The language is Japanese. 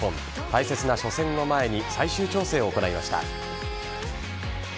大切な初戦を前に最終調整を行いました。